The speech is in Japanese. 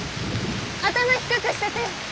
頭低くしてて！